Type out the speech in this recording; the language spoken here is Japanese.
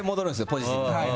ポジティブに。